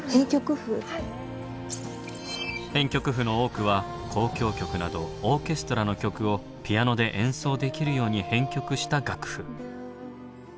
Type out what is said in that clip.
編曲譜の多くは交響曲などオーケストラの曲をピアノで演奏できるように編曲した楽譜。